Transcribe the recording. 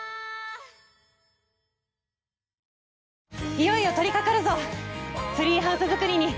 いよいよ取りかかるぞツリーハウス作りに。